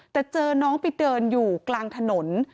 แต่เจอน้องไปเดินอยู่กลางถนน